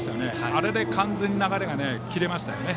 あれで完全に流れが切れましたよね。